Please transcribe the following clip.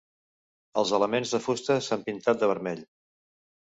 Els elements de fusta s'han pintat de vermell.